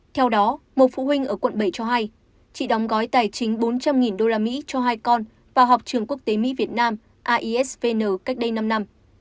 theo đó một phụ huynh ở quận bảy cho hay chị đóng gói tài chính bốn trăm linh usd cho hai con vào học trường quốc tế mỹ việt nam aisvn cách đây năm năm